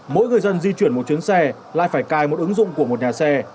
mỗi người dân di chuyển một chuyến xe lại phải cài một ứng dụng của một nhà xe